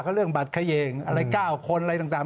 เขาเรื่องบัตรเขย่งอะไร๙คนอะไรต่าง